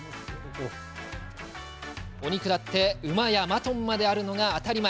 お肉だって、馬やマトンまであるのが当たり前。